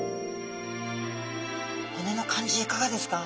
骨の感じいかがですか？